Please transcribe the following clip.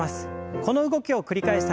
この動きを繰り返した